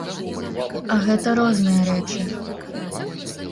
А гэта розныя рэчы.